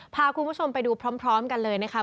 พาคุณผู้ชมไปดูพร้อมกันเลยนะคะ